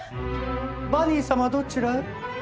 バニー様どちらへ？